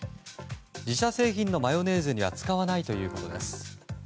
自社製品のマヨネーズには使わないということです。